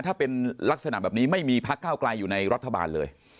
ถ้าเป็นลักษณะแบบนี้ไม่มีพักเก้าไกลอยู่ในรัฐบาลเลย